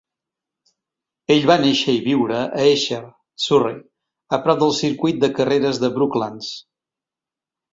Ell va néixer i viure a Esher, Surrey, a prop del circuit de carreres de Brooklands.